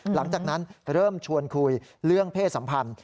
หลังจากนั้นเริ่มชวนคุยเรื่องเพศสัมพันธ์